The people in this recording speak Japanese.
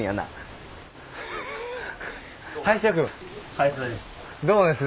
林田です。